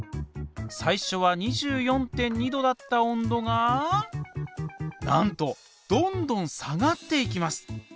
最初は２４．２℃だった温度がなんとどんどん下がっていきます！